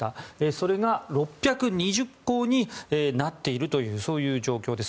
それが６２０校になっているという状況です。